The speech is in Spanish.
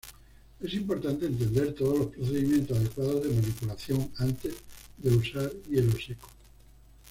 Es importante entender todos los procedimientos adecuados de manipulación antes de usar hielo seco.